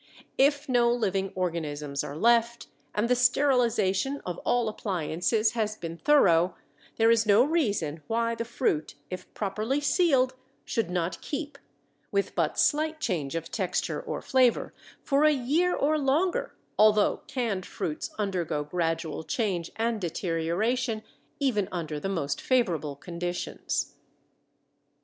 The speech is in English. If no living organisms are left, and the sterilization of all appliances has been thorough, there is no reason why the fruit, if properly sealed, should not keep, with but slight change of texture or flavor, for a year or longer, although canned fruits undergo gradual change and deterioration even under the most favorable conditions.